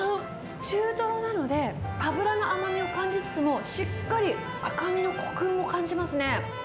中トロなので、脂の甘みを感じつつも、しっかり赤身のこくも感じますね。